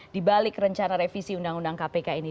di balik rencana revisi undang undang kpk ini